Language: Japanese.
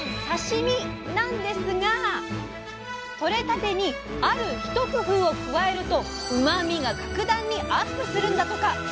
なんですが取れたてにある一工夫を加えるとうまみが格段にアップするんだとか。